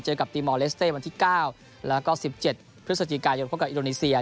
กับตีมอลเลสเต้วันที่๙แล้วก็๑๗พฤศจิกายนพบกับอินโดนีเซีย